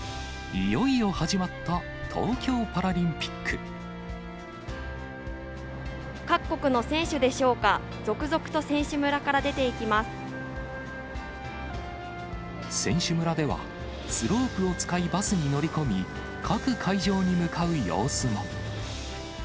いよいよ始まった東京パラリ各国の選手でしょうか、選手村では、スロープを使い、バスに乗り込み、各会場に向かう様子も。